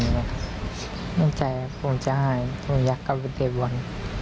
กลัวใจพลุงจะหายพลุงอยากกลับไปเตะบอล